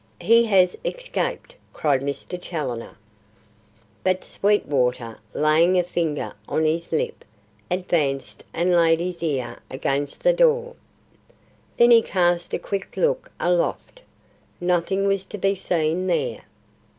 "He has escaped," cried Mr. Challoner. But Sweetwater, laying a finger on his lip, advanced and laid his ear against the door. Then he cast a quick look aloft. Nothing was to be seen there.